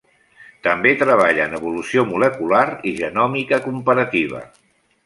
També treballa en evolució molecular i genòmica comparativa.